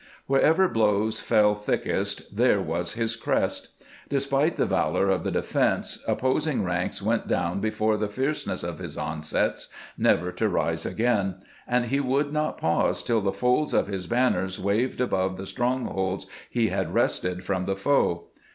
Wherever blows fell thickest, there was his crest. Despite the valor of the defense, opposing ranks went down before the fierceness of his onsets, never to rise again, and he would not pause till the folds of his banners waved above the strongholds he had wrested from the foe.